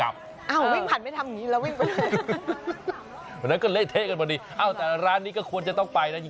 วันนั้นก็เละเท่กันบอนดีตรงนี้ก็ควรจะต้องไปและจริงก็เป็นข่าวมาหลายวัน